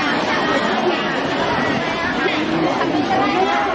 น้องชัดอ่อนชุดแรกก็จะเป็นตัวที่สุดท้าย